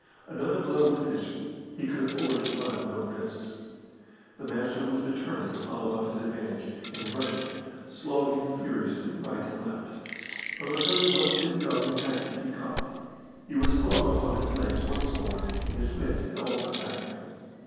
Another blow would finish him; he could afford to run no risks. The Master was determined to follow up his advantage, and rushed at him, slogging furiously right and left. But Montgomery was too young and active to be caught. He was strong upon his legs once more, and his wits had all come back to him.